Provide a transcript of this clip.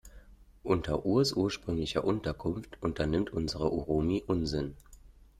Unter Urs ursprünglicher Unterkunft unternimmt unsere Uromi Unsinn.